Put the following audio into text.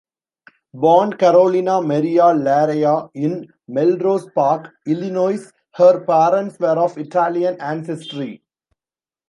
Born Carolina Maria Laraia in Melrose Park, Illinois, her parents were of Italian ancestry.